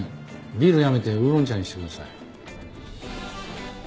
ビールやめてウーロン茶にしてください。